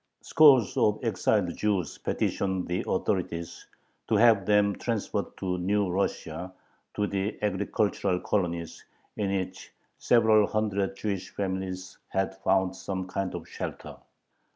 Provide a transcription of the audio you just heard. Scores of exiled Jews petitioned the authorities to have them transferred to New Russia, to the agricultural colonies, in which several hundred Jewish families had found some kind of shelter.